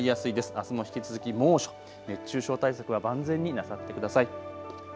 あすも引き続き猛暑、熱中症対策は万全になさってください。